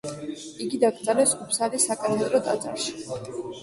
იგი დაკრძალეს უფსალის საკათედრო ტაძარში.